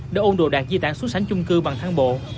đã ôn đồ đạt di tản xuống sánh trung cư bằng thang bộ